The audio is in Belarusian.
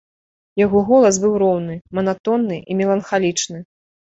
Яго голас быў роўны, манатонны і меланхалічны.